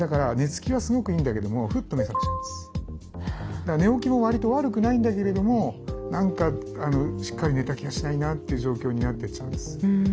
だから寝起きもわりと悪くないんだけれども何かしっかり寝た気がしないなという状況になってっちゃうんです。